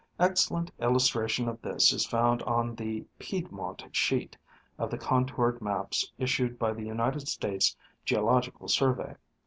Excellent illustration of this is found on the " Piedmont sheet " of the contoui ed maps issued by the United States Geological Survey.